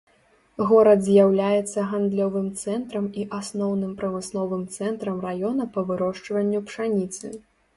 Горад з'яўляецца гандлёвым цэнтрам і асноўным прамысловым цэнтрам раёна па вырошчванню пшаніцы.